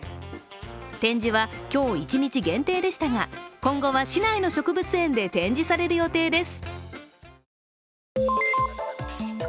展示は今日一日限定でしたが、今後は市内の植物園で展示される予定です。